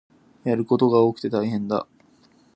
やることが多くて大変だ